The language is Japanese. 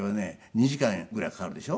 ２時間ぐらいかかるでしょ？